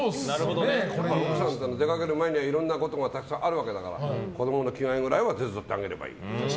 奥さんは出かける前にやることがたくさんあるわけだから子供の着替えぐらいは手伝ってあげればいい。